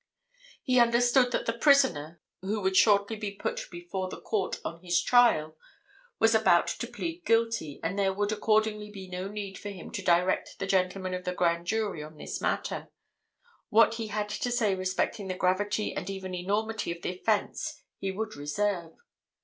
He understood that the prisoner who would shortly be put before the court on his trial was about to plead guilty, and there would accordingly be no need for him to direct the gentlemen of the Grand Jury on this matter—what he had to say respecting the gravity and even enormity of the offence he would reserve.